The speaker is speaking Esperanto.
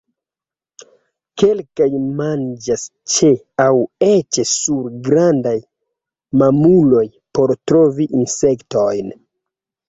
Kelkaj manĝas ĉe aŭ eĉ sur grandaj mamuloj por trovi insektojn.